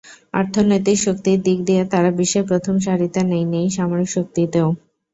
অর্থনৈতিক শক্তির দিক দিয়ে তারা বিশ্বের প্রথম সারিতে নেই, নেই সামরিক শক্তিতেও।